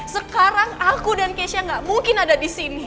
sekarang aku dan keisha gak mungkin ada disini